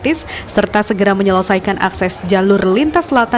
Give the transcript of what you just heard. dan harus dikomunikasikan kepada pemerintah usaha